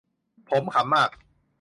ผมขำมาก